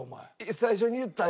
最初に言ったよ。